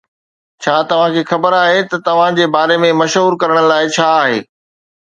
ڇا توهان کي خبر آهي ته توهان جي باري ۾ مشهور ڪرڻ لاء ڇا آهي؟